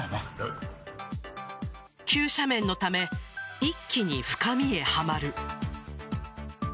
急斜面のため一気に深みへはまる。